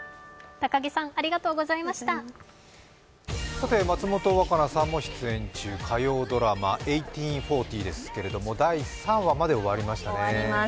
さて、松本若菜さんも出演中火曜ドラマ「１８／４０」ですけど第３話まで終わりましたね。